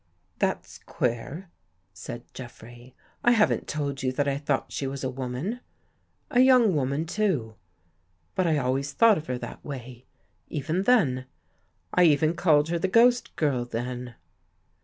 "" That's queer," said Jeffrey, " I haven't told you that I thought she was a woman — a young woman too. But I always thought of her that way, even then. I even called her the ghost girl then."